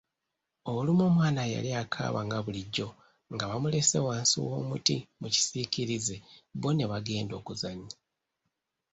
Olumu omwana yali akaaba nga bulijjo, nga bamulese wansi w'omutti mu kisiikirize bbo ne bagenda okuzannya.